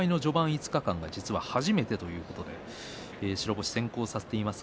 ５日間は初めてということで白星を先行させています。